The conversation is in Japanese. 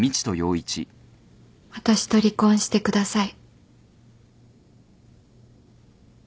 私と離婚してください。